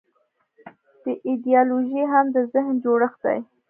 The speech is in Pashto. دا ایدیالوژي هم د ذهن جوړښت دی.